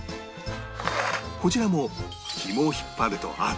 こちらもひもを引っ張ると熱々に